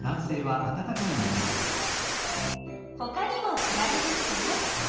ほかにもくらべてみて。